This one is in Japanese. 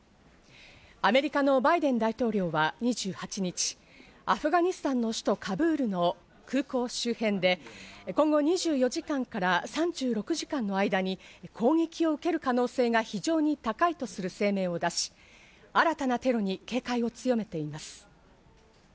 アメリカのバイデン大統領は２８日、アフガニスタンの首都カブールの空港周辺で今後２４時間から３６時間の間に攻撃を受ける可能性が非常に高いとする声明を出し、新たなテロに警戒を強めています。